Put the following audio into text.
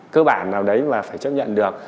cơ bản nào đấy mà phải chấp nhận được